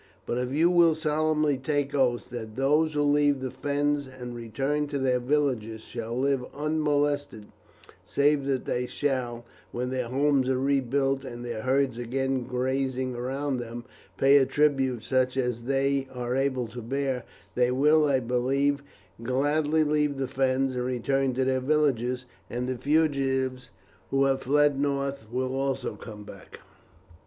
But if you will solemnly take oath that those who leave the Fens and return to their villages shall live unmolested, save that they shall when their homes are rebuilt and their herds again grazing around them pay a tribute such as they are able to bear, they will, I believe, gladly leave the Fens and return to their villages, and the fugitives who have fled north will also come back again."